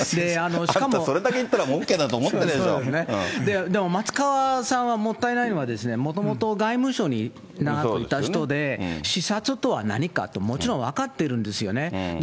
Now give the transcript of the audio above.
それだけ言ったらＯＫだと思でも松川さんはもったいないのは、もともと外務省に長くいた人で、視察とは何かってもちろん分かってるんですよね。